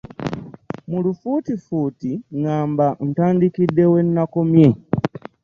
Mulufuutifuti ngamba ntadikidde we nakomye .